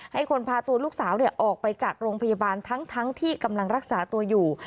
ให้คนพาตัวลูกสาวออกไปจากโรงพยาบาลทั้งที่กำลังรักษาตัวอยู่